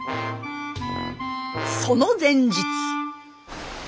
その前日。